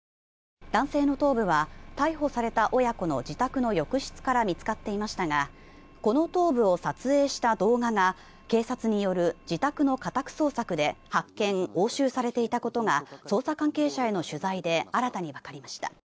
男性の頭部は逮捕された親子の自宅の浴室から見つかっていましたがこの頭部を撮影した動画が警察による自宅の家宅捜索で発見・押収されていたことが捜査関係者への取材で新たにわかりました。